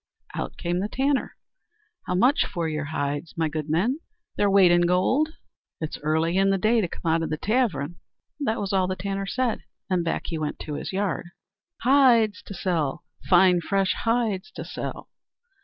Out came the tanner: "How much for your hides, my good men?" "Their weight in gold." "It's early in the day to come out of the tavern." That was all the tanner said, and back he went to his yard. "Hides to sell! Fine fresh hides to sell!"